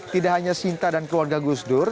tidak hanya sinta dan keluarga gusdur